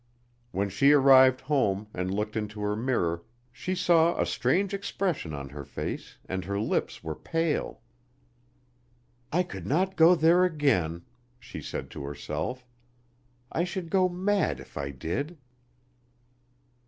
When she arrived home and looked into her mirror she saw a strange expression on her face and her lips were pale. "I could not go there again," she said to herself; "I should go mad if I did."